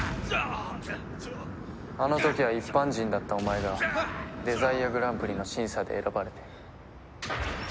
あの時は一般人だったお前がデザイアグランプリの審査で選ばれて。